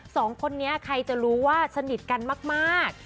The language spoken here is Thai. สองคนนี้ใครจะรู้ว่าสนิทกันมาก